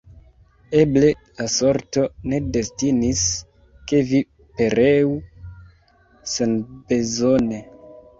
Eble, la sorto ne destinis, ke vi pereu senbezone.